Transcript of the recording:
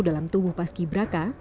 dalam tubuh paski braka